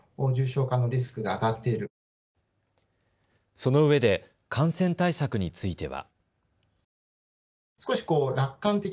そのうえで感染対策については。